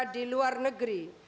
di luar negeri